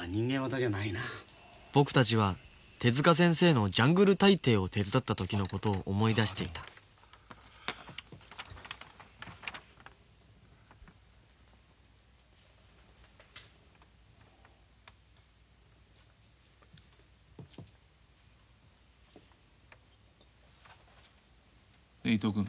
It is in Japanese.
僕たちは手先生の「ジャングル大帝」を手伝った時のことを思い出していた伊藤くん。